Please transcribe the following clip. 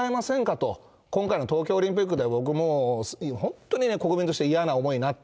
と、今回の東京オリンピックで僕もう、本当にね、国民として嫌な思いになった。